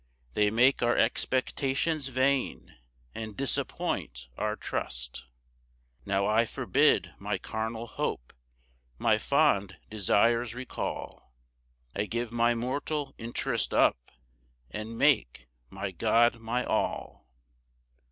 They make our expectations vain, And disappoint our trust. 6 Now I forbid my carnal hope, My fond desires recall; I give my mortal interest up, And make my God my all.